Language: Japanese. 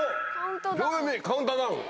秒読みカウントダウン！